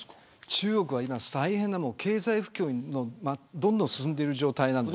中国は今、大変な経済不況にどんどん進んでいる状態です。